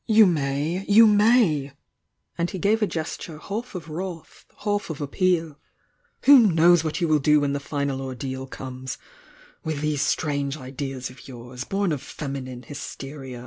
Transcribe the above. Tfou may— you maj ' aiil he lave a gesture half of wrath, half of appe.al. 'Who ktiows what you will do when the final oi.leal conius! With these strange ideas of yours— born of feminine hysteria.